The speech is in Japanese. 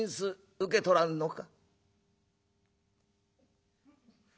「『受け取らんのか』？か！